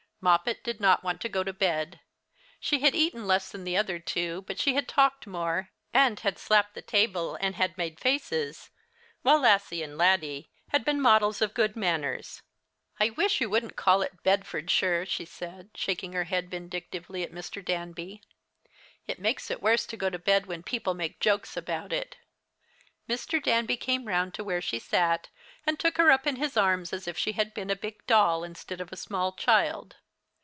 Moppet did not want to go to bed. She had eaten less than the other two, but she had talked more, and had slapped the table, and had made faces, while Lassie and Laddie had been models of good manners. "I wish you wouldn't call it Bedfordshire," she said, shaking her head vindictively at Mr. Danby. "It makes it worse to go to bed when people make jokes about it!" Mr. Danby came around to where she sat, and took her up in his arms as if she had been a big doll instead of a small child.